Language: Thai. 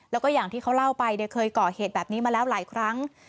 แล้วก็อย่างที่เขาเล่าไปเนี่ยเคยก่อเหตุแบบนี้มาแล้วหลายครั้ง